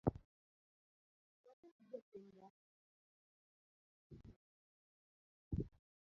Wabed jo kinda mar kwayo ng'uono kaka Nyasachwa dwaro.